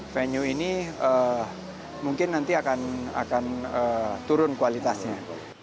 venue ini mungkin nanti akan turun kualitasnya